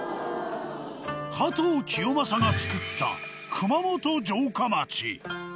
加藤清正がつくった熊本城下町。